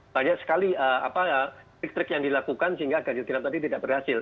banyak sekali trik trik yang dilakukan sehingga ganjil genap tadi tidak berhasil